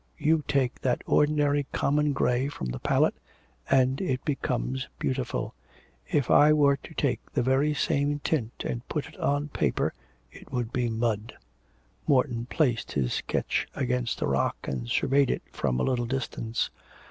You take that ordinary common grey from the palette, and it becomes beautiful. If I were to take the very same tint, and put it on the paper, it would be mud.' Morton placed his sketch against a rock, and surveyed it from a little distance.